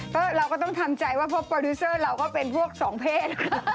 เพราะเราก็ต้องทำใจว่าพวกโปรดิวเซอร์เราก็เป็นพวกสองเพศ